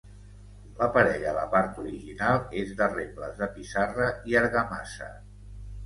L'aparell a la part original és de rebles de pissarra i argamassa.